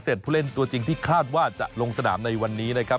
ผู้เล่นตัวจริงที่คาดว่าจะลงสนามในวันนี้นะครับ